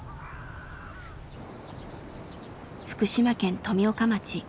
福島県富岡町。